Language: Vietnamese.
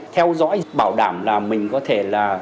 theo dõi bảo đảm là mình có thể là